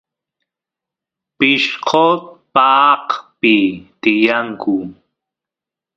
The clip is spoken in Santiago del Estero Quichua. pishqos paaqpi tiyanku